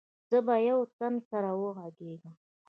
زه به يو تن سره وغږېږم.